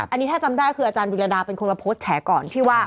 อันนี้ถ้าจำได้คืออาจารย์วิรดาเป็นคนมาโพสต์แฉก่อนที่ว่า